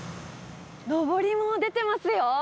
のぼりも出てますよ。